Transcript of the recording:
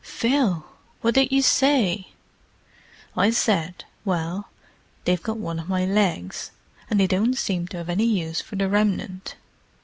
'" "Phil! What did you say?" "I said, 'Well, they've got one of my legs, and they don't seem to have any use for the remnant!